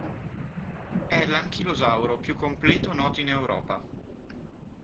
È l'anchilosauro più completo noto in Europa.